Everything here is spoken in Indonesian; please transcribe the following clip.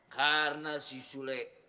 karena si sulet